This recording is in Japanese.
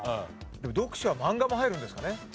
でも読書は漫画も入るんですかね。